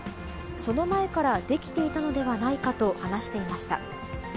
その前から出来ていたのではないかと話していました。